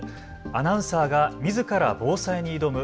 アナウンサーがみずから防災に挑む＃